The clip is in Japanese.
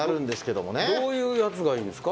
どういうやつがいいんですか？